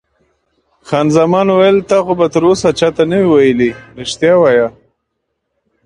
خان زمان وویل: تا خو به تراوسه چا ته نه وي ویلي؟ رښتیا وایه.